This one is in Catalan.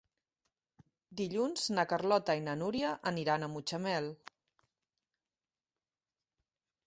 Dilluns na Carlota i na Núria aniran a Mutxamel.